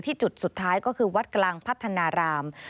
จุดสุดท้ายก็คือวัดกลางพัฒนาราม